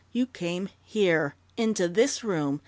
You came here into this room!